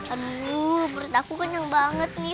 aduh berat aku kenyang banget nih